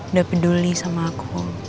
udah peduli sama aku